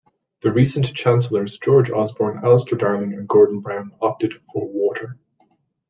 The recent Chancellors, George Osborne, Alistair Darling and Gordon Brown, opted for water.